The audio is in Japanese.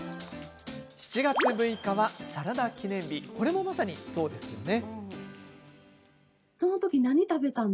七月六日はサラダ記念日これも、まさにそうですよね。